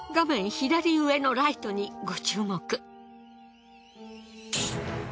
左上のライトにご注目。